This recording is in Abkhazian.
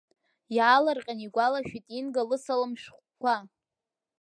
Иаалырҟьаны игәалашәеит Инга лысылам шәҟәқәа.